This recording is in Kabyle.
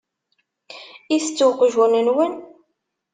Itett uqjun-nwen?